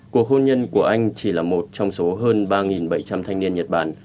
cuộc hôn nhân của anh chỉ là một trong số hơn ba bảy trăm linh thanh niên nhật bản